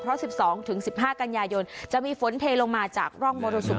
เพราะ๑๒๑๕กันยายนจะมีฝนเทลงมาจากร่องมรสุม